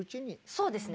そうですね。